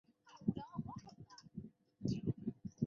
锐尖毛蕨为金星蕨科毛蕨属下的一个种。